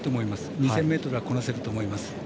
２０００ｍはこなせると思います。